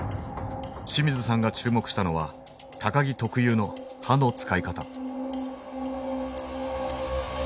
清水さんが注目したのは木特有の刃の使い方。